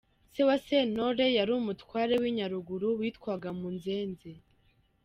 Se wa Sentore yari Umutware w’i Nyaruguru witwaga Munzenze.